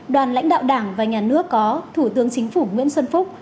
đoàn lãnh đạo đảng và nhà nước có thủ tướng chính phủ nguyễn xuân phúc